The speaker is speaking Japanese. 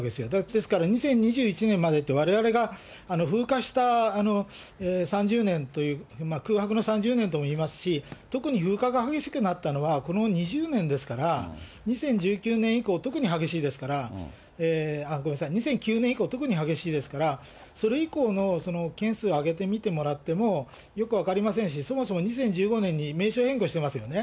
ですから２０２１年までと、われわれが風化した３０年という、空白の３０年ともいいますし、特に風化が激しくなったのはこの２０年ですから、２０１９年以降、特に激しいですから、ごめんなさい、２００９年以降、特に激しいですから、それ以降の、件数をあげてみてもらっても、よく分かりませんし、そもそも２０１５年に名称変更してますよね。